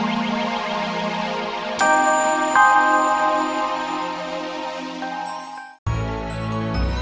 minta pelanggan pakaiannya berharga dengan kamu